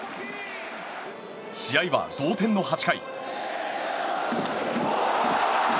試合は同点の８回。